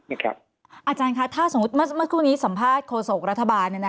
อาจารย์คะถ้าสมมุติเมื่อครู่นี้สัมภาษณ์โฆษกรัฐบาล